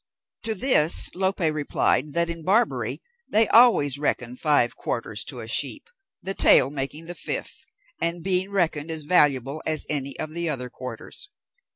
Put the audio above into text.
To this Lope replied that in Barbary they always reckon five quarters to a sheep, the tail making the fifth, and being reckoned as valuable as any of the other quarters.